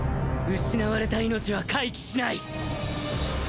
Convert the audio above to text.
失われた命は回帰しない。